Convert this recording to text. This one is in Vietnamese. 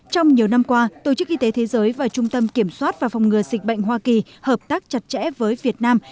trong nhiều năm qua tổ chức y tế thế giới và trung tâm kiểm soát và phòng ngừa dịch bệnh hoa kỳ hợp tác chặt chẽ với việt nam